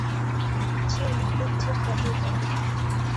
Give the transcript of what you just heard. জিন, ইঞ্জিন বন্ধ কর।